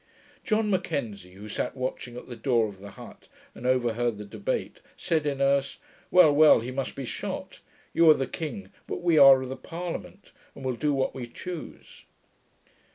John M'Kenzie, who sat watching at the door of the hut, and overheard the debate, said in Erse, 'Well, well; he must be shot. You are the king, but we are the parliament, and will do what we choose.'